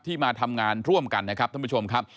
มาทำงานร่วมกันนะครับท่านผู้ชมครับ